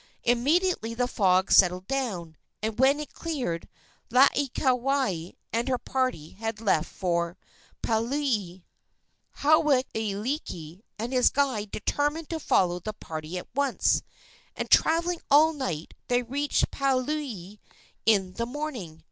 Immediately the fog settled down, and when it cleared Laieikawai and her party had left for Paliuli. Hauailiki and his guide determined to follow the party at once, and, traveling all night, they reached Paliuli in the morning.